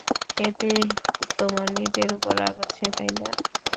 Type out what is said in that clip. এতেই তোমার নিজের উপর রাগ হচ্ছে, তাই না?